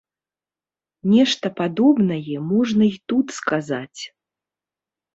Нешта падобнае можна і тут сказаць.